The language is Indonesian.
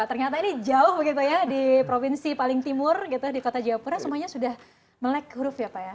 ternyata ini jauh begitu ya di provinsi paling timur gitu di kota jayapura semuanya sudah melek huruf ya pak ya